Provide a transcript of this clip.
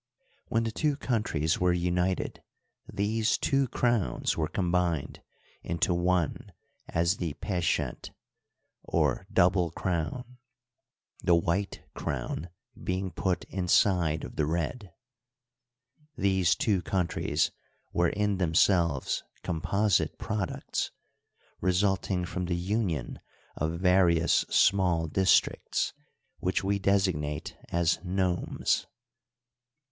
When the two countries were united these two crowns were combined into one as the peshent, or double crown — the white crown being put inside of the red. These two countries were in themselves composite products, resulting from the union of various small dis d by Google 22 HISTORY OF EGYPT, tricts which we designate as nomes.